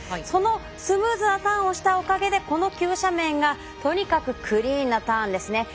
そのスムーズなターンをしたおかげでこの急斜面がとにかくクリーンなターンですね。